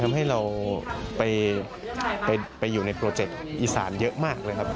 ทำให้เราไปอยู่ในโปรเจคอีสานเยอะมากเลยครับ